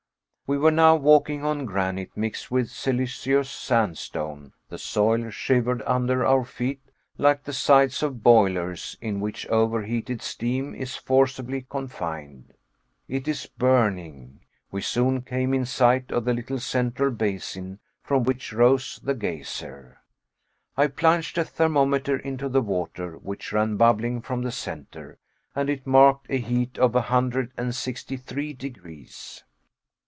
We were now walking on granite mixed with siliceous sandstone; the soil shivered under our feet like the sides of boilers in which over heated steam is forcibly confined. It is burning. We soon came in sight of the little central basin from which rose the geyser. I plunged a thermometer into the water which ran bubbling from the centre, and it marked a heat of a hundred and sixty three degrees!